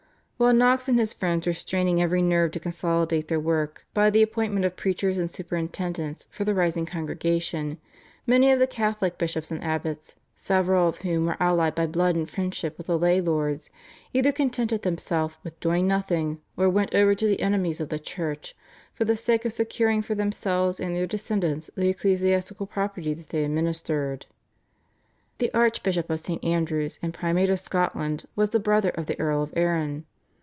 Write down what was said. While Knox and his friends were straining every nerve to consolidate their work by the appointment of preachers and superintendents for the rising congregation, many of the Catholic bishops and abbots, several of whom were allied by blood and friendship with the lay lords, either contented themselves with doing nothing, or went over to the enemies of the Church for the sake of securing for themselves and their descendants the ecclesiastical property that they administered. The Archbishop of St. Andrew's and Primate of Scotland was the brother of the Earl of Arran.